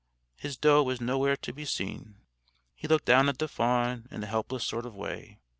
His doe was nowhere to be seen. He looked down at the fawn in a helpless sort of way.